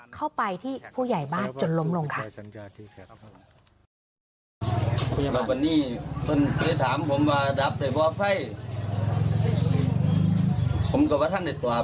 เข้าไปที่ผู้ใหญ่บ้านจนล้มลงค่ะ